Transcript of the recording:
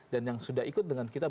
dan yang sudah ikut dengan kita